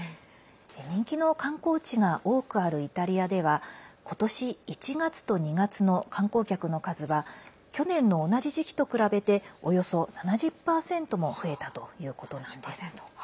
人気の観光地が多くあるイタリアでは今年１月と２月の観光客の数は去年の同じ時期と比べておよそ７０％も増えたということなんです。